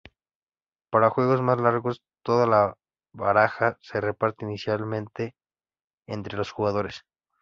Para juegos más largos, toda la baraja se reparte inicialmente entre los jugadores.